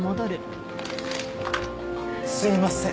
すいません。